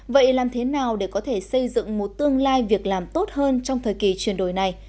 vậy làm thế nào để có thể xây dựng một tương lai việc làm tốt hơn trong thời kỳ chuyển đổi này